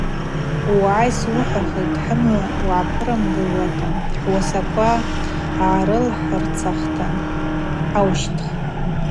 Угӏай, суыхӏвахитӏ, хӏымгӏва угӏапырамгылуата, хӏуасаква гӏарылхӏырцахта хӏаущтх.